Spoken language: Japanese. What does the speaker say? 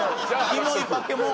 キモいバケモン。